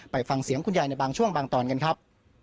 ไปฟังเสียงคุณยายในบางช่วงบางตอนกันครับ